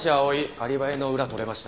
アリバイの裏取れました。